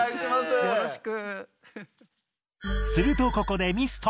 よろしく。